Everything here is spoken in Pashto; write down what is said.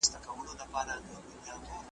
تر ماپښینه تر دوو دریو کلیو را تېر سو .